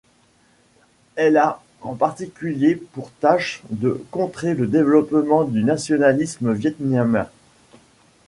Elle a en particulier pour tâche de contrer le développement du nationalisme vietnamien.